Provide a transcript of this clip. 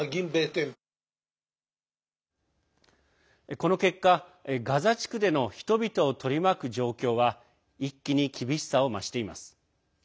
この結果ガザ地区での人々を取り巻く状況は一気に厳しさを増しています。